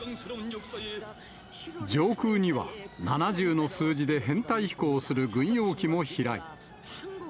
上空には、７０の数字で編隊飛行する軍用機も飛来。